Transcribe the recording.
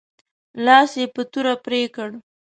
لاس یې په توره پرې کړ.